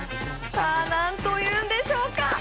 さあ、何と言うんでしょうか？